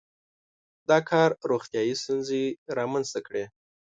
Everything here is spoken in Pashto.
• دا کار روغتیايي ستونزې رامنځته کړې.